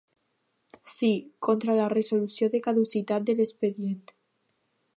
Si, contra la resolució de caducitat de l'expedient.